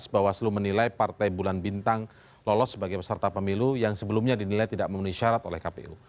bawaslu menilai partai bulan bintang lolos sebagai peserta pemilu yang sebelumnya dinilai tidak memenuhi syarat oleh kpu